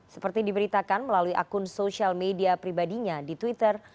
seperti diberitakan melalui akun sosial media pribadinya di twitter